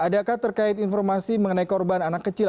adakah terkait informasi mengenai korban anak kecil